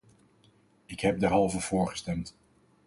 Ik heb derhalve voorgestemd.